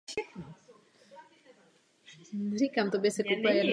Příběh je rozdělen do prologu a devíti kapitol.